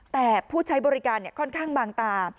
แต่ผู้ใช้บริการค่อนข้างบางตา